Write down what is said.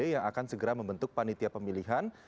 yang akan segera membentuk panitia pemilihan